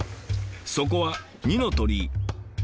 そこは二之鳥居。